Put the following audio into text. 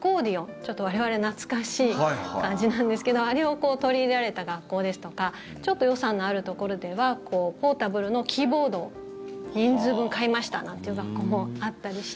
ちょっと我々懐かしい感じなんですけどあれを取り入れられた学校ですとかちょっと予算のあるところではポータブルのキーボードを人数分買いましたなんていう学校もあったりして。